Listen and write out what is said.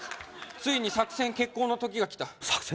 ついに作戦決行の時がきた作戦？